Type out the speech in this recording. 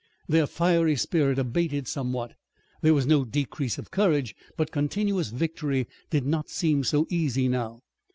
Their fiery spirit abated somewhat. There was no decrease of courage, but continuous victory did not seem so easy now.